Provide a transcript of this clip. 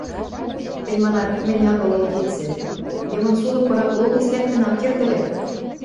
Тӹнь манат: «Мӹнь агыл ылгецӹ, «Йымын сулык» пырак логӹц лӓктӹн ак керд ыльы...»